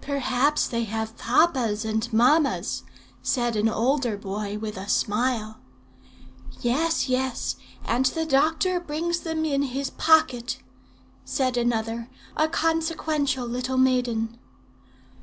"'Perhaps they have papas and mammas,' said an older boy, with a smile. "'Yes, yes; and the doctor brings them in his pocket,' said another, a consequential little maiden.